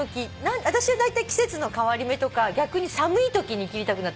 私はだいたい季節の変わり目とか逆に寒いときに切りたくなったりするんです。